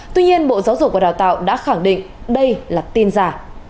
tuy nhiên bộ giáo dục và đào tạo đã khẳng định đây là tin giả